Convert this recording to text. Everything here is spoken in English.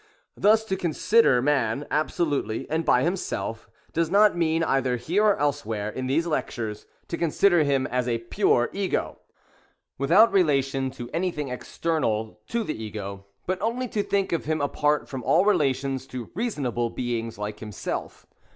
Thus to consider man absolutely and by himself, does not mean, either here or elsewhere in these lectures, to consider him as a pure Ego, without relation to anything external to the Ego; but only to think of him apart from all relations to reasonable beings like himself.